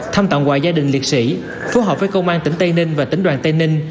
tham tạo ngoại gia đình liệt sĩ phối hợp với công an tỉnh tây ninh và tỉnh đoàn tây ninh